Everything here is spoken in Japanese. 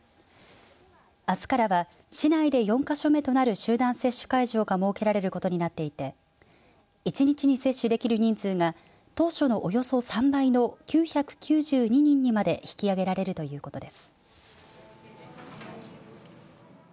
あすからは市内で４か所目となる集団接種会場が設けられることになっていて１日に接種できる人数が当初のおよそ３倍の９９２人にまで引き上げられるということです。